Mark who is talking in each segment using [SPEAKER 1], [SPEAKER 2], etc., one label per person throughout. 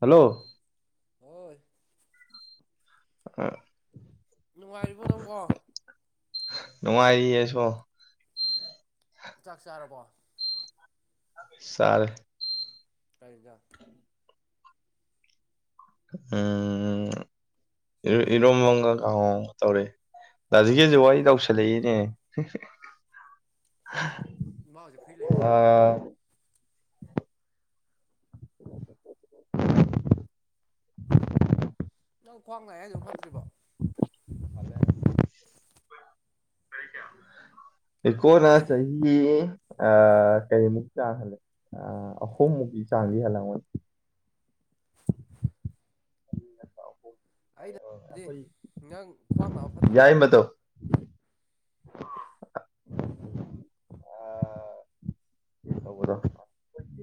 [SPEAKER 1] hello
[SPEAKER 2] ꯍꯣꯏ
[SPEAKER 1] ꯑ
[SPEAKER 2] ꯅꯨꯡꯉꯥꯏꯔꯤꯕꯣ ꯅꯪꯕꯣ
[SPEAKER 1] ꯅꯨꯡꯉꯥꯏꯔꯤꯌꯦꯁꯨꯣ
[SPEAKER 2] ꯆꯥꯛ ꯆꯥꯔꯕꯣ
[SPEAKER 1] ꯁꯔꯦ
[SPEAKER 2] ꯀꯗ
[SPEAKER 1] ꯎꯝ ꯏꯔꯣ ꯃꯒ ꯑꯥꯎ ꯇꯧꯔꯦ ꯂꯁꯤꯒꯦꯁꯨ ꯋꯥ ꯑꯩ ꯇꯧꯁꯜꯂꯛꯏꯅꯦ
[SPEAKER 2] ꯃꯥꯁꯦ ꯐ꯭ꯔꯤ ꯂꯩꯕ꯭ꯔꯥ
[SPEAKER 1] ꯑ [unintelligible] [unintelligible]
[SPEAKER 2] ꯅꯪ ꯈ꯭ꯋꯥꯡ ꯉꯥꯏ ꯍꯥꯏꯗ ꯐꯠꯇ꯭ꯔꯤꯕꯣ
[SPEAKER 1] ꯐꯔꯤ ꯀꯌꯥ ꯏꯀꯣꯅ ꯆꯍꯤ ꯑ ꯀꯩꯃꯨꯛ ꯆꯥꯡꯍꯜꯂꯦ ꯑ ꯑꯍꯨꯝ ꯃꯚ ꯆꯥꯡꯂꯤ ꯍꯥꯏꯂ [unintelligible]
[SPEAKER 2] ꯑꯗꯨꯗꯤ
[SPEAKER 1] ꯑꯩꯈꯣꯏ
[SPEAKER 2] ꯉꯥꯡ ꯈ꯭ꯋꯥꯡ ꯅꯥꯕ ꯐꯠꯇ꯭ꯔꯤꯕꯕ
[SPEAKER 1] ꯌꯥꯏꯃꯗꯣ
[SPEAKER 2] [unintelligible]
[SPEAKER 1] ꯑ ꯀ ꯇꯧꯕꯗꯣ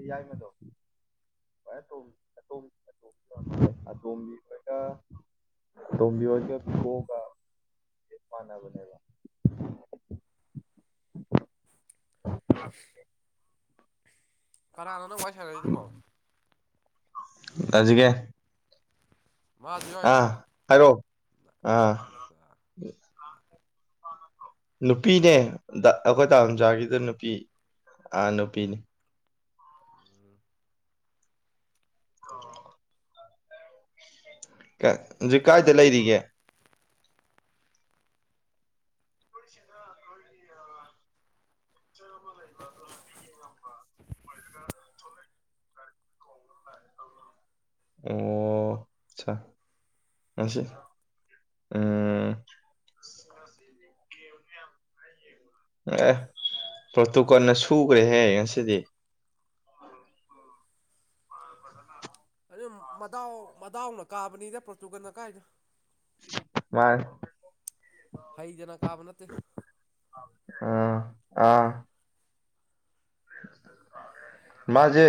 [SPEAKER 1] ꯌꯥꯏꯃꯗꯣ ꯍ ꯇꯣꯣ ꯇꯝꯕꯤ ꯍ ꯇꯝꯕꯤ ꯍꯣ ꯀ ꯄꯅ ꯅꯦꯒ
[SPEAKER 2] [unintelligible] ꯀꯅꯥꯅꯣ ꯅꯪ ꯋꯥꯏ ꯁꯥꯟꯔꯁꯤꯗꯨꯕꯣ
[SPEAKER 1] ꯑꯖꯤ ꯀꯦ
[SPEAKER 2] ꯃꯥꯁꯨ ꯌꯥꯎꯔꯤꯔꯣ
[SPEAKER 1] ꯑꯥ ꯍꯥꯏꯔꯣ ꯑ
[SPEAKER 2] ꯑꯠꯆꯥ
[SPEAKER 1] ꯅꯨꯄꯤꯅꯦ ꯑꯩꯈꯣꯏ ꯇꯥꯔꯝꯖꯥꯒꯤꯗ ꯅꯨꯄꯤ ꯑ ꯅꯨꯄꯤꯅꯦ ꯑꯣ ꯀ ꯍꯧꯖꯤ ꯀꯥꯏꯗ ꯂꯩꯔꯤꯒꯦ ꯑꯣ ꯁ ꯎꯝ [unintelligible] ꯑꯦ ꯄ꯭ꯔꯣꯇꯣꯀꯣꯟꯅ ꯁꯨꯈ꯭ꯔꯦꯍꯦ ꯉꯁꯤꯗꯤ
[SPEAKER 2] ꯑꯗꯨ ꯃꯗꯥꯎ ꯃꯗꯥꯎꯅ ꯀꯥꯕꯅꯤꯗ ꯄ꯭ꯔꯣꯔꯇꯨꯒꯥꯟ ꯀꯥꯏꯗ
[SPEAKER 1] ꯃꯥ
[SPEAKER 2] ꯠꯇ
[SPEAKER 1] ꯑꯥ ꯑꯥ
[SPEAKER 2] [unintelligible]
[SPEAKER 1] ꯃꯥꯁꯦ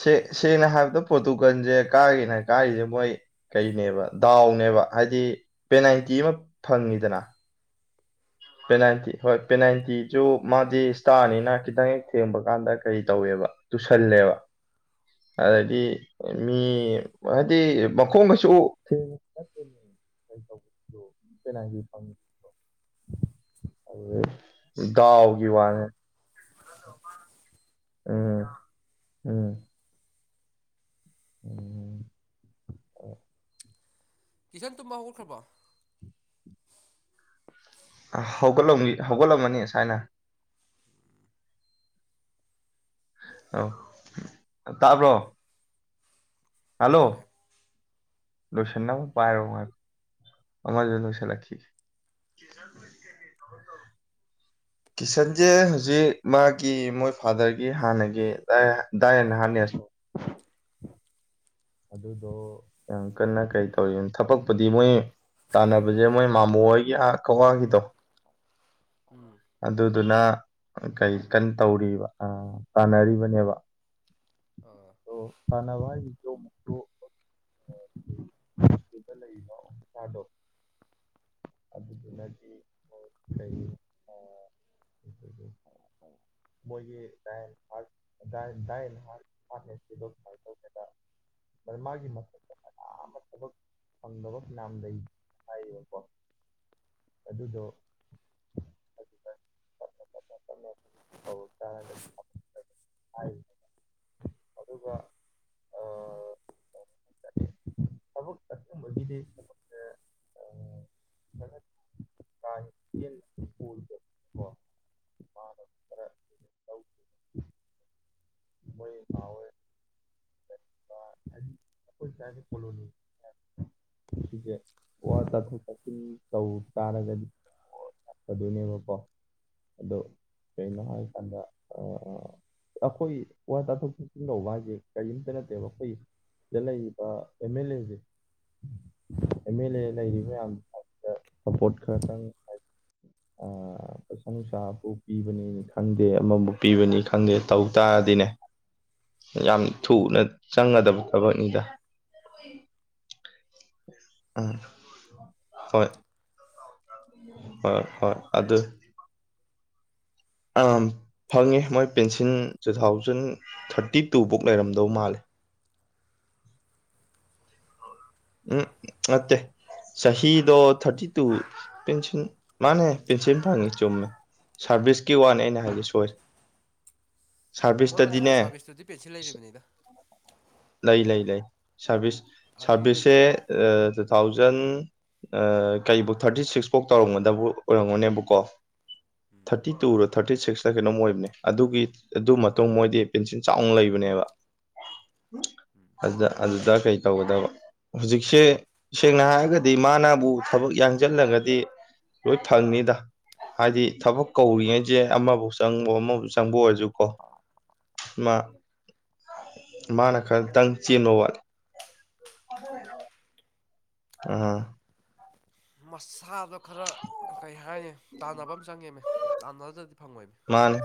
[SPEAKER 1] ꯁ ꯁꯦꯡꯅ ꯍꯥꯏꯕꯗ ꯄꯣꯔꯇꯨꯒꯜꯁꯦ ꯀꯥꯔꯤꯅ ꯀꯥꯔꯤꯁꯦ ꯃꯣꯏ ꯀꯩꯅꯦꯕ ꯗꯥꯎꯅꯦ ꯕ ꯍꯥꯏꯗꯤ ꯄꯦꯅꯥꯜꯇꯤ ꯑꯃ ꯐꯪꯉꯤꯗꯅ ꯄꯦꯅꯥꯜꯇꯤ ꯍꯣꯏ ꯄꯦꯅꯥꯜꯇꯤꯁꯨ ꯃꯥꯗꯤ ꯏꯁꯇꯥꯔꯅꯤꯅ ꯈꯤꯇꯪ ꯍꯦꯛ ꯊꯦꯡꯕ ꯀꯥꯟꯗ ꯀꯔꯤ ꯇꯧꯋꯦꯕ ꯇꯨꯁꯜꯂꯦꯕ ꯑꯗꯤ ꯃꯤ ꯍꯥꯏꯗꯤ ꯃꯈꯣꯡ ꯃꯁꯨ ꯊꯦꯡꯉꯠꯇ ꯅꯒꯤ ꯐ ꯥꯎꯒꯤ ꯋꯥꯅꯦ ꯎꯝ ꯎꯝ ꯎꯝ
[SPEAKER 2] ꯀꯤꯤꯁꯟ ꯇꯨꯝꯕ ꯍꯧꯒꯠꯈ꯭ꯔꯕꯣ
[SPEAKER 1] ꯍꯧꯒꯠꯂꯝ ꯍꯧꯒꯠꯂꯝꯃꯅꯤ ꯁꯃꯥꯏꯅ ꯑ ꯇꯥꯕ꯭ꯔꯣ
[SPEAKER 2] ꯇꯥꯏ
[SPEAKER 1] ꯍꯜꯂꯣ
[SPEAKER 2] ꯇꯥꯏ
[SPEAKER 1] ꯂꯨꯁꯟꯅ ꯑꯃ ꯄꯥꯏꯔꯣ ꯍꯥꯏ ꯑꯃꯔ ꯁꯂꯈꯤ
[SPEAKER 2] [unintelligible]
[SPEAKER 1] ꯀꯤꯁꯟꯁꯦ ꯍꯧꯖꯤꯛ ꯃꯥꯒꯤ ꯃꯣꯏ ꯐꯥꯗꯔꯒꯤ ꯍꯥꯟꯅꯒꯤ ꯗꯥꯏꯟ ꯍꯥꯟꯅꯔ
[SPEAKER 2] [unintelligible] [inaudible]
[SPEAKER 1] ꯑꯗꯨꯗꯣ ꯌꯥꯝ ꯀꯟꯅ ꯀꯩ ꯇꯧꯋ ꯊꯕꯛꯄꯨꯗꯤ ꯃꯣꯏ ꯇꯥꯟꯅꯕꯁꯦ ꯃꯣꯏ ꯃꯥꯃꯣ ꯍꯣꯏꯒꯤ ꯀꯧꯋꯥꯒꯤꯗꯣ
[SPEAKER 2] ꯎꯝ
[SPEAKER 1] ꯑꯗꯨꯗꯨꯅ ꯀꯩ ꯀꯟ ꯇꯧꯔꯤꯕ ꯑ ꯇꯥꯟꯅꯔꯤꯕꯅꯦꯕ
[SPEAKER 2] ꯑꯥ
[SPEAKER 1] ꯊꯅꯚ [unintelligible] [inaudible] ꯑꯗꯨꯗ ꯂꯩꯔꯤꯕ ꯑꯣꯐꯤꯁꯥꯔꯗꯣ ꯑꯗꯨꯗꯨꯅꯗꯤ ꯀ ꯑ ꯃꯣꯏꯒꯤ ꯍꯥꯦ ꯃꯥꯒꯤ ꯃ ꯑꯥꯝꯕ ꯊꯕꯛ ꯐꯪꯗꯕ ꯌꯥꯝꯗꯩ ꯍꯥꯏꯌꯦꯕꯀꯣ ꯑꯗꯨꯗꯣ ꯑꯗꯨ
[SPEAKER 2] [unintelligible] [inaudible]
[SPEAKER 1] ꯆ [unintelligible] [inaudible] ꯑꯗꯨꯒ ꯍꯥꯏꯇꯥꯔꯦ ꯊꯕꯛ ꯆꯊꯅꯤꯡꯕꯒꯤꯗꯤ
[SPEAKER 2] [unintelligible] [inaudible]
[SPEAKER 1] [unintelligible] [inaudible] ꯃꯣꯏ ꯊꯑꯣꯣꯏ
[SPEAKER 2] ꯎꯝ
[SPEAKER 1] ꯣꯏ ꯀꯦ ꯄꯨꯣꯂꯣꯅꯤ ꯁꯤꯁꯦ ꯋꯥ ꯇꯥꯊꯣꯛ ꯇꯥꯁꯤꯟ ꯇꯧ ꯇꯥꯔꯒꯗꯤ ꯑꯗꯨꯅꯦꯕꯀꯣ ꯑꯗꯣ ꯀꯩꯅꯣ ꯍꯥꯏꯀꯥꯟꯗ ꯑꯩꯈꯣꯏ ꯋꯥ ꯇꯥꯊꯣꯛ ꯇꯥꯁꯤꯟ ꯇꯧꯕ ꯍꯥꯏꯁꯦ ꯀꯔꯤꯝꯇ ꯅꯠꯇꯦꯕ ꯑꯩꯈꯣꯏ ꯁꯤꯗ ꯂꯩꯔꯤꯕ ꯑꯦꯝ ꯑꯦꯜ ꯑꯦꯁꯦ ꯑꯦꯝ ꯑꯦꯜ ꯑꯦ ꯂꯩꯔꯤꯕ ꯃꯌꯥꯝ ꯁꯄꯣꯔꯠ ꯈꯔꯇꯪ ꯍꯥꯏ ꯄꯁꯪ ꯅꯨꯡꯁꯥꯕꯨ ꯄꯤꯕꯅꯤ ꯈꯪꯗꯦ ꯑꯃꯕꯨ ꯄꯤꯕꯅꯤ ꯈꯪꯗꯦ ꯇꯧ ꯇꯥꯔ ꯑꯗꯨꯗꯤꯅꯦ ꯌꯥꯝ
[SPEAKER 2] ꯎꯝ
[SPEAKER 1] ꯊꯨꯅ ꯆꯪꯒꯗꯕ ꯊꯕꯛꯅꯤꯗ ꯎꯝ ꯍꯣꯏ ꯍ ꯍ ꯑ ꯑꯗꯨ ꯑ [unintelligible] [inaudible] ꯐꯪꯉꯦ ꯃꯣꯏ ꯄꯦꯟꯁꯤꯟ ꯇꯨ ꯊꯥꯎꯖꯟ ꯊꯥꯔꯇꯤ ꯇꯨꯐꯧ ꯂꯩꯔꯝꯗꯧ ꯃꯥꯂ
[SPEAKER 2] [unintelligible] [inaudible]
[SPEAKER 1] ꯎꯝ ꯃꯠꯇꯦ ꯆꯍꯤꯗꯣ ꯊꯥꯔꯇꯤ ꯇꯨ ꯄꯦꯟꯁꯤꯟ ꯃꯥꯅꯦ ꯄꯦꯟꯁꯤꯟ ꯐꯪꯉꯤ ꯆꯨꯝꯃꯦ ꯁꯥꯔꯚꯤꯁꯀꯤ ꯋꯥꯅꯤ ꯑꯩꯅ ꯍꯥꯏꯗꯤ ꯁꯣꯏꯔꯦ
[SPEAKER 2] ꯃꯣꯏ ꯃꯇꯝꯒꯤ
[SPEAKER 1] ꯁꯥꯔꯚꯤꯁꯇꯗꯤꯅꯦ
[SPEAKER 2] ꯁꯥꯔꯚꯤꯁꯇꯨꯗꯤ ꯄꯦꯟꯁꯤꯜ ꯂꯩꯔꯤꯕꯅꯤꯗ
[SPEAKER 1] ꯂꯩ ꯂꯩ ꯂꯩ ꯁꯔꯕꯤꯁ
[SPEAKER 2] ꯑꯗꯨꯗꯕꯗꯤ
[SPEAKER 1] ꯇꯨ ꯊꯥꯎꯖꯟ ꯀꯩ ꯐꯧ ꯊꯥꯔꯇꯤ ꯁꯤꯛꯁꯐꯧ ꯇꯧꯔꯝꯒꯗꯕ ꯑꯣꯏꯔꯝꯒꯅꯦꯕꯀꯣ ꯊꯥꯔꯇꯤ ꯇꯨꯔ ꯊꯥꯔꯇꯤ ꯁꯤꯛꯁꯇ ꯀꯩꯅꯣꯝ ꯃ ꯑꯣꯏꯕꯅꯦ ꯑꯗꯨꯒꯤ ꯑꯗꯨ ꯃꯇꯨꯡ ꯃꯣꯏꯗꯤ ꯄꯦꯟꯁꯤꯜ ꯆꯥꯎꯅ ꯂꯩꯕꯅꯤ ꯑꯗꯨꯗ ꯑꯗꯨꯗ ꯀꯩ ꯇꯧꯒꯗꯕ ꯍꯧꯖꯤꯛꯁꯦ ꯁꯦꯡꯅ ꯍꯥꯏꯔꯒꯗꯤ ꯃꯥꯅꯕꯨ ꯊꯕꯛ ꯌꯥꯡꯁꯤꯜꯂꯒꯗꯤ ꯂꯣꯏ ꯐꯪꯅꯤꯗ ꯍꯥꯏꯗꯤ ꯊꯕꯛ ꯀꯧꯔꯤꯉꯩꯁꯦ ꯑꯃꯕꯨꯧ ꯆꯪꯕ ꯑꯃꯐ ꯆꯪꯕ ꯑꯣꯏꯔꯁꯨꯀꯣ ꯃꯥ ꯃꯥꯅ ꯈꯔꯇꯪ ꯆꯤꯟꯟꯅꯣ ꯋꯥꯂꯤ ꯍꯦ [unintelligible] ꯑ
[SPEAKER 2] ꯃꯁꯥꯗꯣ ꯈꯔ ꯀꯩ ꯍꯥꯏꯅꯤ ꯇꯥꯟꯅꯕ ꯑꯃ ꯆꯪꯉꯦꯃꯦ ꯇꯥꯟꯅꯗꯗꯤ
[SPEAKER 1] ꯃꯥꯅꯦ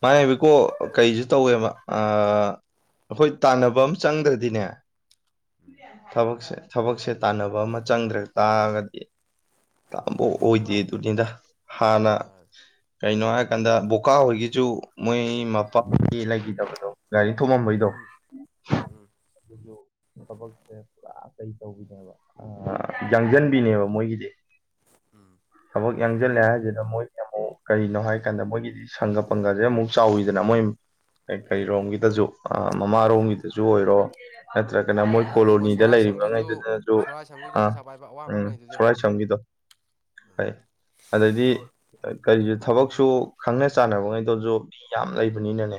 [SPEAKER 1] ꯃꯥꯅꯦ ꯀꯣ ꯀꯩꯁꯨ ꯇꯧꯋꯦꯕ ꯑꯩꯈꯣꯏ ꯇꯥꯟꯅꯕ ꯑꯃ ꯆꯪꯗ꯭ꯔꯗꯤꯅꯦ
[SPEAKER 2] ꯎꯝ
[SPEAKER 1] ꯁꯦ ꯊꯕꯛꯁꯦ ꯇꯥꯟꯅꯕ ꯑꯃ ꯆꯪꯗ꯭ꯔꯦ ꯇꯥꯔꯒꯗꯤ ꯇꯕꯨ ꯑꯣꯏꯗꯤꯦ ꯑꯗꯨꯗꯤꯗ ꯍꯥꯟꯅ
[SPEAKER 2] ꯃꯥꯅꯦ
[SPEAKER 1] ꯀꯩꯅꯣ ꯍꯥꯏ ꯀꯥꯟꯗ ꯕꯣꯀꯥ ꯍꯣꯏꯒꯤꯁꯨ ꯃꯣꯏ ꯃꯄꯥ ꯂꯩꯈꯤꯗꯕꯗꯣ ꯒꯥꯔꯤ ꯊꯣꯃꯝꯕꯩꯗꯣ
[SPEAKER 2] ꯎꯝ ꯎꯝ ꯎꯝ ꯎꯝ
[SPEAKER 1] ꯑꯗꯨ ꯊꯕꯛꯁꯦ ꯄꯨꯔꯥ ꯀꯩ ꯇꯧꯕꯤꯅꯦꯕ ꯌꯥꯡꯁꯤꯟꯕꯤꯅꯦꯕ ꯃꯣꯏꯒꯤꯗꯤ
[SPEAKER 2] ꯎꯝ
[SPEAKER 1] ꯊꯕꯛ ꯌꯥꯡꯁꯤꯜꯂꯦ ꯍꯥꯏꯁꯤꯅ ꯃꯣꯏꯒꯤ ꯑꯃꯨꯛ ꯀꯔꯤꯅꯣ ꯍꯥꯏꯀꯥꯟꯗ ꯃꯣꯏꯒꯤꯗꯤ ꯁꯪꯒ ꯄꯪꯒꯁꯦ ꯑꯃꯨꯛ ꯆꯥꯎꯋꯤꯗꯅ ꯃꯣꯏ ꯀꯩꯔꯣꯝꯒꯤꯗꯖ ꯃꯃꯥꯔꯣꯝꯒꯤꯗꯖ ꯑꯣꯏꯔꯣ ꯅꯠꯇ꯭ꯔꯒꯅ
[SPEAKER 2] ꯑꯩꯈꯣꯏ
[SPEAKER 1] ꯃꯣꯏ
[SPEAKER 2] ꯉꯥꯗ
[SPEAKER 1] ꯀꯣꯂꯣꯅꯤꯗ
[SPEAKER 2] ꯁꯣꯔꯥꯁꯝꯒꯤꯁꯨ
[SPEAKER 1] ꯂꯩꯔꯤꯕꯉꯩꯗꯨꯅꯁꯨ
[SPEAKER 2] ꯁꯣꯔꯥꯁꯝꯒꯤꯁꯨ
[SPEAKER 1] ꯑꯥ
[SPEAKER 2] ꯄꯩꯁꯥ ꯄꯥꯏꯕ ꯑꯋꯥꯡꯕ
[SPEAKER 1] ꯎꯝ
[SPEAKER 2] ꯑꯃ ꯂꯩꯗꯨꯗꯤ
[SPEAKER 1] ꯁꯣꯔꯥꯏ ꯁꯝꯒꯤꯗꯣ ꯍꯣꯏ ꯑꯗꯩꯗꯤ ꯀꯔꯤꯁꯨ ꯊꯕꯛꯁꯨ ꯈꯪꯅ ꯆꯥꯟꯅꯕꯉꯩꯗꯧꯁꯨ ꯃꯤ ꯌꯥꯝ ꯂꯩꯕꯅꯤꯅꯅꯦ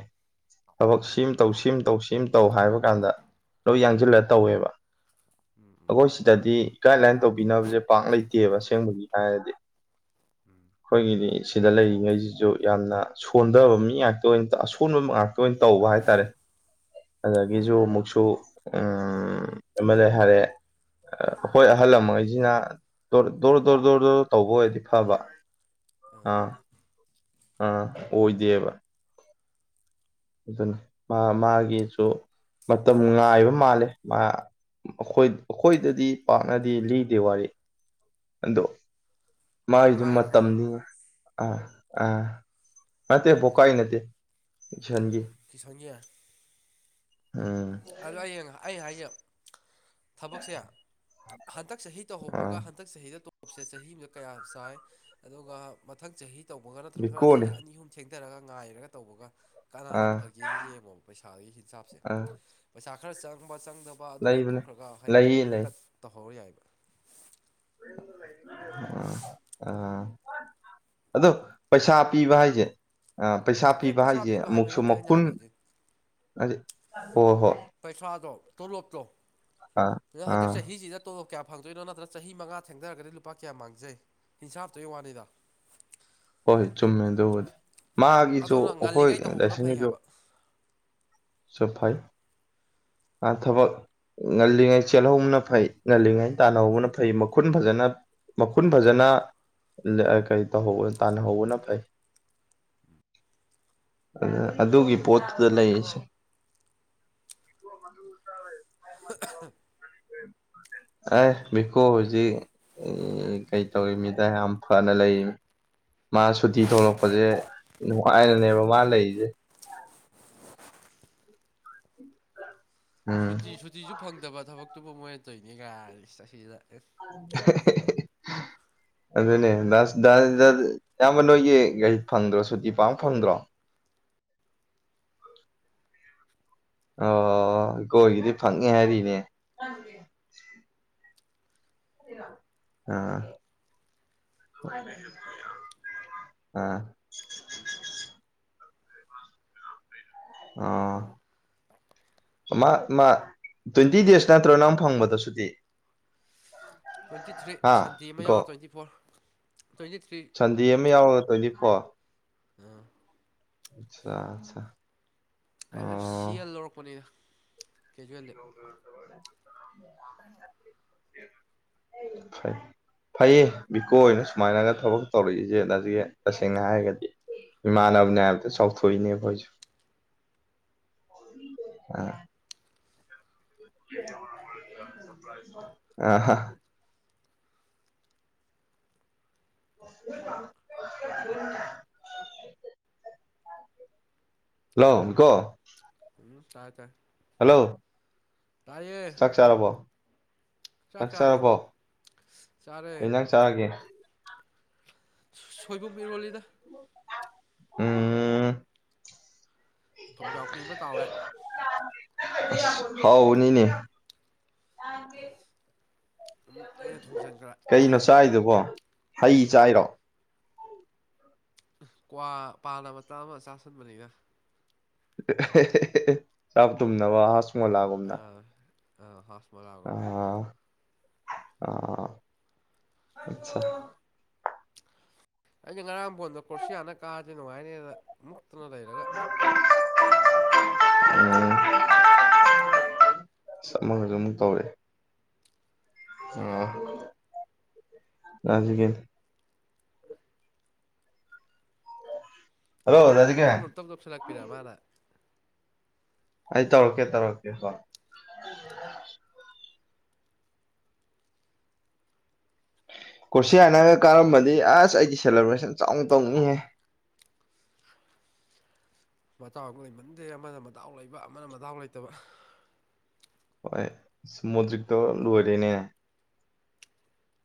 [SPEAKER 1] ꯊꯕꯛ ꯁꯤꯝ ꯇꯧ ꯁꯤꯝ ꯇꯧ ꯁꯤꯝ ꯇꯧ ꯍꯥꯏꯕ ꯀꯥꯟꯗ ꯂꯣꯏ ꯌꯥꯡꯁꯤꯜꯂ ꯇꯧꯋꯦꯕ ꯑꯩꯈꯣꯏ ꯁꯤꯗꯗꯤ ꯒꯥꯏꯗꯂꯥꯏꯟ ꯇꯧꯕꯤꯅꯕꯁꯦ ꯄꯥꯛ ꯂꯩꯇꯦꯕ ꯑꯁꯦꯡꯕꯒꯤ ꯍꯥꯏꯔꯗꯤ
[SPEAKER 2] ꯎꯝ
[SPEAKER 1] ꯑꯩꯈꯣꯏꯒꯤꯗꯤ ꯁꯤꯗ ꯂꯩꯔꯤꯉꯩꯁꯤꯁꯨ ꯌꯥꯝꯅ ꯁꯣꯟꯊꯕ ꯃꯤ ꯉꯥꯛꯇ ꯑꯣꯏꯅ ꯑꯁꯣꯟꯕ ꯉꯥꯛꯇ ꯑꯣꯏꯅ ꯇꯧꯕ ꯍꯥꯏꯇꯥꯔꯦ ꯑꯗꯒꯤꯁꯨ ꯑꯃꯨꯛꯁꯨ ꯎꯝ ꯑꯦꯝ ꯑꯦꯜ ꯑꯦ ꯍꯥꯏꯔꯦ ꯍꯣꯏ ꯑꯍꯜ ꯂꯃꯩꯁꯤꯅ ꯗꯣꯔ ꯗꯣꯔ ꯗꯣꯔ ꯗꯣꯔ ꯇꯧꯕ ꯑꯣꯏꯔꯗꯤ ꯐꯕ
[SPEAKER 2] ꯑ
[SPEAKER 1] ꯑꯥ ꯑ ꯑꯣꯏ ꯏꯗꯕ ꯑꯗꯨꯅꯤ ꯃꯥ ꯃꯥꯒꯤꯁꯨ ꯃꯇꯝ ꯉꯥꯏꯕ ꯃꯥꯜꯂꯦ ꯃꯥ ꯑꯩꯈꯣꯏꯗꯗꯤ ꯄꯥꯛꯅꯗꯤ ꯂꯤ ꯗꯦ ꯋꯥꯔꯤ ꯑꯗꯣ ꯃꯥꯒꯤꯗꯤ
[SPEAKER 2] ꯕꯣꯀꯥꯏꯔꯣ
[SPEAKER 1] ꯃꯇꯝꯅꯤ ꯑꯥ ꯑꯥ ꯃꯔꯠꯇ ꯣꯀꯥꯏ ꯅꯠꯇꯦ ꯁꯟ
[SPEAKER 2] ꯀꯤꯁꯌꯥ
[SPEAKER 1] ꯎꯝ
[SPEAKER 2] ꯑꯗꯨ ꯑꯩ ꯑꯩ ꯍꯥꯏꯖꯌ ꯊꯕꯛꯁꯦ ꯍꯟꯗꯛ ꯆꯍꯤ ꯇꯧꯍꯧꯕꯒ
[SPEAKER 1] ꯑꯥ
[SPEAKER 2] ꯍꯟꯗꯛ ꯆꯍꯤꯗ ꯣꯞꯁꯦ ꯆꯍꯤ ꯑꯃꯗ ꯀꯌꯥ ꯆꯥꯏ ꯑꯗꯨꯒ ꯃꯊꯪ ꯆꯍꯤ ꯇꯧꯕꯒ ꯅꯠꯇ꯭ꯔꯒꯅ
[SPEAKER 1] ꯕꯤꯀꯣꯅꯦ
[SPEAKER 2] ꯆꯍꯤ ꯑꯅꯤ ꯑꯍꯨꯝ ꯊꯦꯡꯅ ꯄꯤꯊꯔꯒ ꯉꯥꯏꯔꯒ ꯇꯧꯕꯒ ꯀꯅꯥꯅ
[SPEAKER 1] ꯑꯥ
[SPEAKER 2] ꯐꯒꯦꯁꯤ ꯌꯦꯡꯉꯣꯕ ꯄꯩꯁꯥꯗꯒꯤ ꯍꯤꯟꯖꯥꯞꯁꯦ
[SPEAKER 1] ꯑꯥ
[SPEAKER 2] ꯄꯩꯁꯥ ꯈꯔ ꯆꯪꯕ ꯆꯪꯗꯕ ꯑꯗꯨꯒꯤ
[SPEAKER 1] ꯂꯩꯕꯅꯦ
[SPEAKER 2] ꯇꯣꯛꯈ꯭ꯔꯒ ꯍꯥꯏꯗꯤ
[SPEAKER 1] ꯂꯩꯌꯦ ꯂꯩ
[SPEAKER 2] ꯍꯟꯇꯛ ꯇꯧꯍꯧꯔ ꯌꯥꯏꯕ [unintelligible]
[SPEAKER 1] ꯑ ꯑꯗꯣ ꯄꯩꯁꯥ ꯄꯤꯕ ꯍꯥꯏꯁꯦ ꯄꯩꯁꯥ
[SPEAKER 2] ꯑꯦ
[SPEAKER 1] ꯄꯤꯕ
[SPEAKER 2] ꯄꯩꯁꯥ
[SPEAKER 1] ꯍꯥꯏꯁꯦ
[SPEAKER 2] ꯍꯥꯏꯕ
[SPEAKER 1] ꯑꯃꯨꯛꯁꯨ
[SPEAKER 2] ꯅꯠꯇꯦ ꯑꯩꯅ
[SPEAKER 1] ꯃꯈꯨꯟ
[SPEAKER 2] ꯍꯥꯏꯕꯗꯤ
[SPEAKER 1] ꯑꯗꯤ ꯍ ꯍꯣ
[SPEAKER 2] ꯄꯩꯁꯥꯗꯣ ꯇꯣꯂꯣꯞꯇꯣ ꯑꯗꯣ ꯍꯟꯗꯛ ꯆꯍꯤꯁꯤꯗ ꯇꯣꯂꯣꯞ ꯀꯌꯥꯣ ꯐꯪꯗꯣꯏꯅꯣ ꯅꯠꯇ꯭ꯔꯒ ꯆꯍꯤ ꯃꯉꯥ ꯊꯦꯡꯊꯔꯒꯗꯤ ꯂꯨꯄꯥ ꯀꯌꯥ ꯃꯥꯡꯖꯩ ꯍꯤꯡꯁꯥ ꯍꯥꯞꯇꯣꯏꯩ ꯋꯥꯅꯤꯗ
[SPEAKER 1] ꯍꯣꯏ ꯆꯨꯝꯃꯦꯗꯣ ꯃꯥꯒꯤꯁꯨ
[SPEAKER 2] ꯑꯗꯨꯅ
[SPEAKER 1] ꯑꯩꯈꯣꯏ
[SPEAKER 2] ꯉꯜꯂꯤꯉꯩ ꯇꯧꯍꯧꯕꯅ ꯐꯩ
[SPEAKER 1] ꯂꯥꯏꯁꯪꯒꯤꯁꯨ
[SPEAKER 2] ꯍꯥꯏꯕ
[SPEAKER 1] ꯁ ꯐꯩ ꯑ ꯊꯕꯛ ꯉꯜꯂꯤꯉꯩ ꯆꯦꯜꯍꯧꯕꯅ ꯐꯩ ꯉꯜꯂꯤꯉꯩ ꯇꯥꯟꯅꯍꯧꯕꯅ ꯐꯩ ꯃꯈꯨꯟ ꯐꯖꯅ ꯃꯈꯨꯟ ꯐꯖꯅ ꯀ ꯇ ꯇꯥꯟꯅꯍꯧꯕꯅ ꯐꯩ
[SPEAKER 2] ꯎꯝ
[SPEAKER 1] ꯑ ꯑꯗꯨꯒꯤ ꯄꯣꯠꯇꯨꯗ ꯂꯩꯁꯦ ꯊ ꯃꯟ ꯎꯔ ꯇꯇꯥꯔꯦ
[SPEAKER 2] [inaudible]
[SPEAKER 1] ꯑꯦ ꯃꯤꯀꯣ ꯍꯧꯖꯤ ꯑꯦ ꯀꯩ ꯇꯧꯔꯤ ꯃꯤꯗ ꯌꯥꯝ ꯐꯅ ꯂꯩꯔꯤ ꯃꯥ ꯁꯨꯇꯤ ꯊꯣꯛꯂꯛꯄꯁꯦ ꯅꯨꯡꯉꯥꯏꯔꯅꯦꯕ ꯃꯥ ꯂꯩꯔꯤꯁꯦ ꯎꯝ
[SPEAKER 2] ꯁꯨꯇꯤ ꯁꯨꯇꯤꯁꯨ ꯐꯪꯗꯕ ꯊꯕꯛꯇꯨꯕꯨ ꯃꯣꯏꯅ ꯇꯣꯏꯅꯤ ꯀꯥꯏ ꯆꯍꯤꯗ
[SPEAKER 1] [inaudible]
[SPEAKER 2] [inaudible]
[SPEAKER 1] ꯑꯗꯨꯅꯦ ꯑꯌꯥꯝꯕ ꯅꯣꯏꯒꯤ ꯒꯥꯔꯤ ꯐꯪꯗ꯭ꯔꯣ ꯁꯨꯇꯤ ꯄꯥꯝꯕ ꯐꯪꯗ꯭ꯔꯣ ꯑ ꯒꯣꯏꯜꯒꯤꯗꯤ ꯐꯪꯉꯦ ꯍꯥꯏꯔꯤꯅꯦ ꯑꯥ ꯑꯥ ꯑꯥ ꯃꯥ ꯃꯥ ꯇ꯭ꯋꯦꯟꯇꯤ ꯗꯦꯖ ꯅꯠꯇ꯭ꯔꯣꯅ ꯑꯃ ꯐꯪꯕꯗꯁꯨꯗꯤ
[SPEAKER 2] ꯇ꯭ꯋꯦꯟꯇꯤ ꯊ꯭ꯔꯤ ꯁꯟꯗꯦ ꯑꯃ ꯌꯥꯎꯔ twenty four twenty three
[SPEAKER 1] Sunday ꯑꯃ ꯌꯥꯎꯔꯒ ꯇ꯭ꯋꯦꯟꯇꯤ ꯐꯣꯔ
[SPEAKER 2] ꯑ
[SPEAKER 1] ꯑꯆꯥ ꯑꯆꯥ
[SPEAKER 2] ꯑ
[SPEAKER 1] ꯑꯣ
[SPEAKER 2] ꯁꯤ ꯑꯦꯜ ꯂꯧꯔꯛꯄꯅꯤꯅ ꯀꯦꯖꯨꯋꯦꯜꯗ
[SPEAKER 1] [inaudible] ꯐꯩꯌꯦ ꯕꯤꯀꯣꯏꯅ ꯁꯨꯃꯥꯏꯅꯒ ꯊꯕꯛ ꯇꯧꯔꯛꯏꯁꯦ ꯅꯁꯤ ꯇꯁꯦꯡꯅ ꯍꯥꯏꯔꯒꯗꯤ ꯃꯅꯕꯅꯦꯌꯥꯝꯕꯦ ꯁꯧ ꯊꯏꯅꯦꯕꯣꯏ
[SPEAKER 2] [inaudible]
[SPEAKER 1] ꯑ ꯑ [inaudible] ꯍꯜꯂꯣ ꯀꯣ
[SPEAKER 2] ꯑꯗꯨ ꯇꯥꯛꯇꯥ
[SPEAKER 1] ꯍꯜꯂꯣ ꯆꯥꯛ ꯆꯥꯔꯕꯣ
[SPEAKER 2] ꯆꯥꯛ ꯆꯥꯔꯦ
[SPEAKER 1] ꯅꯪꯆꯔꯕꯣ
[SPEAKER 2] ꯆꯥꯔꯦ
[SPEAKER 1] ꯀꯩ [unintelligible] ꯆꯔꯒꯦ
[SPEAKER 2] ꯁꯣꯏꯕꯨꯝ ꯏꯔꯣꯂꯤꯗ
[SPEAKER 1] ꯎꯝ
[SPEAKER 2] ꯊꯨꯝꯖꯥꯎꯄꯤ ꯑꯃ ꯇꯥꯎꯔꯦ
[SPEAKER 1] ꯍꯥꯎ ꯎꯅꯤꯅꯦ
[SPEAKER 2] ꯎꯝ ꯑꯩꯅ ꯊꯣꯡꯖꯟꯈ꯭ꯔꯦ
[SPEAKER 1] ꯀꯩꯅꯣ ꯆꯥꯏꯗꯨꯕꯣ ꯍꯩ ꯆꯥꯏꯔꯣ
[SPEAKER 2] ꯀ꯭ꯋꯥ ꯄꯥꯅ ꯃꯆꯥ ꯑꯃ ꯆꯥꯥꯁꯟꯕꯅꯤꯅ
[SPEAKER 1] [unintelligible] ꯇ ꯇꯅ ꯋꯥ ꯍꯥꯁꯃꯣ ꯂꯒꯣꯅ
[SPEAKER 2] ꯑ ꯍꯣ
[SPEAKER 1] ꯑ ꯑꯆꯥ
[SPEAKER 2] ꯑꯖꯤꯡ ꯉꯔꯝꯕꯗ ꯀ ꯈꯁꯤ ꯍꯥꯅꯥ ꯀꯥꯆꯅ ꯋꯥꯍꯤꯅꯤ ꯃ
[SPEAKER 1] ꯑꯣ
[SPEAKER 2] [inaudible]
[SPEAKER 1] ꯃꯁꯨ ꯑꯃꯝ ꯇꯧꯋꯤ ꯑ
[SPEAKER 2] ꯀꯅꯥ
[SPEAKER 1] ꯑꯖꯤꯀꯦꯜ ꯍꯜꯂꯣ ꯔꯥꯖꯤꯒꯦꯟ
[SPEAKER 2] ꯅꯝꯇꯧ ꯅꯝꯇꯞ ꯇꯞꯁꯤꯜꯂꯛꯄꯤꯔ ꯃꯥꯅ
[SPEAKER 1] ꯑꯩ ꯇꯧꯔꯛꯀꯦ ꯇꯧꯔꯛꯀꯦ ꯍꯣꯏ ꯀꯨꯔꯁꯤ ꯍꯥꯏꯅꯔꯒ ꯀꯥꯔꯝꯕꯗꯤ ꯑꯁ ꯑꯩꯗꯤ ꯁꯦꯂꯦꯕ꯭ꯔꯦꯁꯟ ꯆꯥꯎꯅ ꯇꯧꯅꯤꯍꯦ
[SPEAKER 2] [inaudible] ꯃꯆꯥ ꯑꯃ ꯂꯩꯃꯟꯗꯦ ꯑꯃꯅ ꯃꯎ ꯂꯩꯕ ꯑꯃꯅ ꯃꯎ ꯂꯩꯇꯕ
[SPEAKER 1] ꯁꯃꯨꯗ꯭ꯔꯛꯛꯇꯣ ꯂꯍꯔꯅꯦ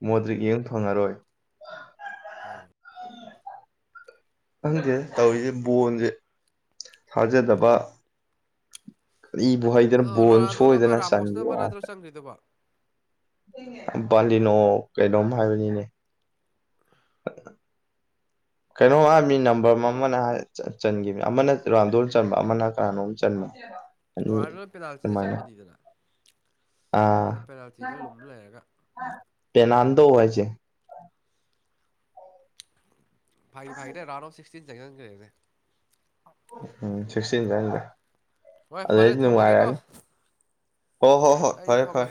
[SPEAKER 1] ꯃꯣꯗ꯭ꯔꯤꯛ ꯌꯦꯡ ꯊꯣꯡꯉꯔꯣꯏ ꯈꯪꯁꯦ ꯇꯧꯔꯤꯁꯦ ꯕꯣꯟꯁꯦ ꯊꯥꯖꯗꯕ ꯀꯕꯨ ꯍꯩꯗꯅ
[SPEAKER 2] ꯑ
[SPEAKER 1] ꯕꯣꯟ
[SPEAKER 2] ꯔꯣꯅꯥꯜꯗꯣꯅ ꯑꯃ
[SPEAKER 1] ꯁꯣꯏꯗꯅ
[SPEAKER 2] ꯔꯥꯃꯣꯁꯅ ꯑꯃ
[SPEAKER 1] ꯆꯪꯉ
[SPEAKER 2] ꯅꯠꯇ꯭ꯔꯣ ꯆꯪꯈ꯭ꯔꯤꯗꯨꯕꯣ
[SPEAKER 1] ꯄꯥꯟꯂꯤ ꯅꯣ ꯀꯩꯗꯝ ꯍꯥꯏꯕꯅꯤꯅꯦ
[SPEAKER 2] [inaudible]
[SPEAKER 1] ꯀꯩꯅꯣꯝ ꯍꯥꯏꯕꯅꯤ ꯅꯝꯕꯔ ꯑꯃ ꯑꯃꯅ ꯆꯟꯈꯤꯕꯅꯤ ꯑꯃꯅ ꯔꯥꯎꯟꯗꯣ ꯑꯃ ꯆꯟꯕ ꯑꯃꯅ ꯀꯅꯥꯅꯣꯝ ꯆꯟꯕ ꯎ
[SPEAKER 2] ꯔ ꯄꯦꯅꯥꯜꯁꯤꯗ ꯆꯟꯕꯅꯤꯗꯅ
[SPEAKER 1] ꯑꯥ
[SPEAKER 2] ꯑꯗ ꯄꯦꯅꯥꯜꯇꯤꯗ ꯂꯨꯝ ꯂꯩꯔꯒ
[SPEAKER 1] ꯄꯅꯥꯗꯣ ꯑꯣꯏꯣꯏꯁ
[SPEAKER 2] ꯐꯥꯏ ꯐꯥꯏꯗꯦ ꯑꯔꯥꯎꯟ ꯁꯤꯛꯁꯇꯤꯟ ꯀꯦꯦ
[SPEAKER 1] ꯎꯝ ꯁꯤꯁꯇꯤꯟꯗ
[SPEAKER 2] ꯍꯣꯏ ꯐꯔꯦ ꯊꯝꯃꯒꯦꯀꯣ
[SPEAKER 1] ꯍꯣꯏ ꯍꯣ ꯍꯣꯏ
[SPEAKER 2] ꯑꯩꯁꯨ
[SPEAKER 1] ꯐꯔꯦ
[SPEAKER 2] ꯊꯝꯃꯒꯦ
[SPEAKER 1] ꯐꯔꯦ